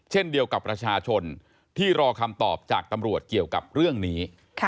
เช่นเดียวกับประชาชนที่รอคำตอบจากตำรวจเกี่ยวกับเรื่องนี้